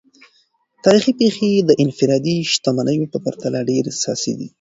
تاریخي پیښې د انفرادي شتمنیو په پرتله ډیر اساسي دي.